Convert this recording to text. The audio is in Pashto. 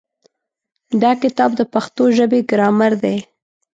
دا کتاب د پښتو ژبې ګرامر دی.